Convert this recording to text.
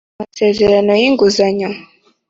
Amasezerano y Inguzanyo